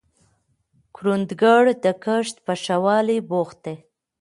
کروندګر د کښت په ښه والي بوخت دی